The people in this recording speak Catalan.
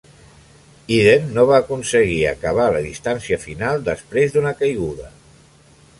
Eden no va aconseguir acabar la distància final després d'una caiguda.